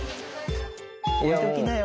置いときなよ